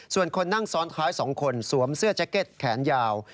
ส่วนคนนั่งซ้อนท้าย๒คนสวมเสื้อแจ็คเก็ตแขนยาว